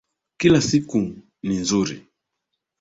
Kila siku ni nzuri